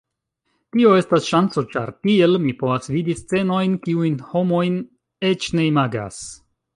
Tio estas ŝanco ĉar, tiel, mi povas vidi scenojn kiujn homojn eĉ ne imagas.